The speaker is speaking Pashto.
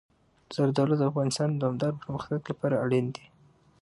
زردالو د افغانستان د دوامداره پرمختګ لپاره اړین دي.